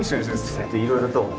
いろいろと。